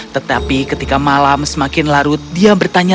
tetapi ketika malam semakin larut dia bertanya tanya aku